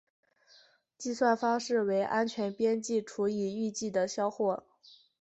计算方式为安全边际除以预计的销货。